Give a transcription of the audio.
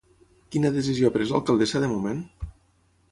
Quina decisió ha pres l'alcaldessa de moment?